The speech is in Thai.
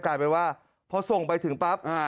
กลายเป็นว่าพอส่งไปถึงปั๊บ